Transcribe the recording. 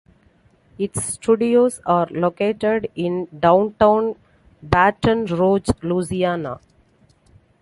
Its studios are located in downtown Baton Rouge, Louisiana.